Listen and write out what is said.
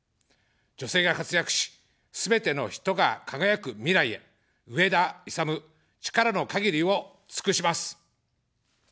女性が活躍し、すべての人が輝く未来へ、上田いさむ、力の限りを尽くします。